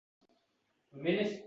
Ham dard bilan